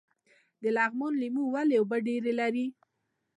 د لغمان لیمو ولې اوبه ډیرې لري؟